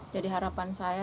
jadi harapan saya